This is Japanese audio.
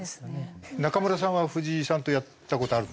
中村さんは藤井さんとやった事あるんですか？